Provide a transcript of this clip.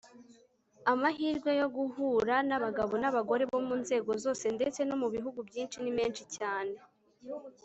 amahirwe yo guhura n'abagabo n'abagore bo mu nzego zose ndetse no mu bihugu byinshi ni menshi cyane